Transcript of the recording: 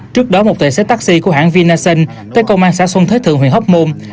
trước đó một tài xế taxi của hãng vinasen tới công an xã xuân thế thượng huyền hóc môn